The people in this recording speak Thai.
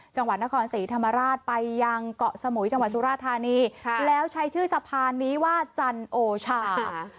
จังหวัดนครศรีธรรมราชไปยังเกาะสมุยจังหวัดสุราธานีแล้วใช้ชื่อสะพานนี้ว่าจันโอชา